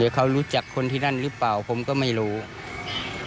เขารู้จักคนที่นั่นหรือเปล่าผมก็ไม่รู้